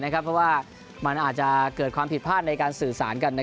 เพราะว่ามันอาจจะเกิดความผิดพลาดในการสื่อสารกัน